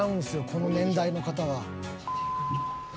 この年代の方は。